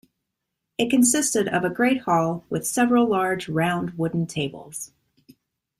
It consisted of a great hall with several large round wooden tables.